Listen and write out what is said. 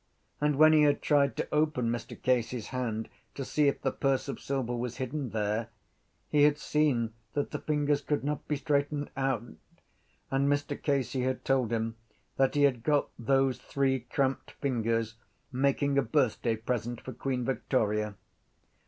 And when he had tried to open Mr Casey’s hand to see if the purse of silver was hidden there he had seen that the fingers could not be straightened out: and Mr Casey had told him that he had got those three cramped fingers making a birthday present for Queen Victoria.